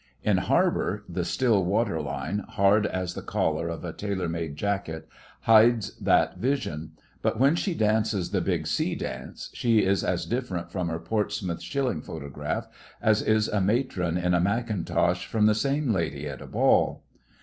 In harbour, the still waterline, hard as the collar of a tailor made jacket, hides that vision; but when she dances the Big Sea Dance, she is as different from her Portsmouth shilling photograph as is a matron in a macintosh from the same lady at a ball.